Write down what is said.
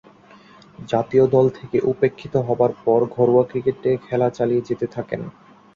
জাতীয় দল থেকে উপেক্ষিত হবার পর ঘরোয়া ক্রিকেটে খেলা চালিয়ে যেতে থাকেন।